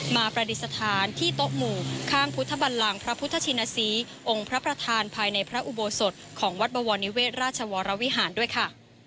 ประดิษฐานที่โต๊ะหมู่ข้างพุทธบันลังพระพุทธชินศรีองค์พระประธานภายในพระอุโบสถของวัดบวรนิเวศราชวรวิหารด้วยค่ะ